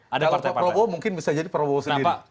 kalau pak prabowo mungkin bisa jadi prabowo sendiri